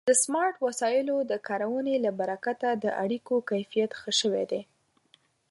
د سمارټ وسایلو د کارونې له برکته د اړیکو کیفیت ښه شوی دی.